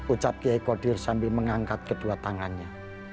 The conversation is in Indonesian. ucap kiai kodir sambil mengangkat kedua tangannya